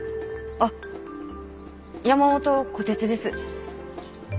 あっ山元虎鉄です。